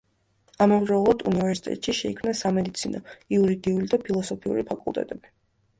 ამავდროულად უნივერსიტეტში შეიქმნა სამედიცინო, იურიდიული და ფილოსოფიური ფაკულტეტები.